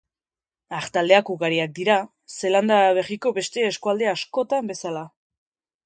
Artaldeak ugariak dira, Zelanda Berriko beste eskualde askotan bezala.